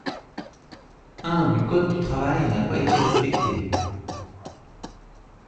un du code du travail n’a pas été respecté.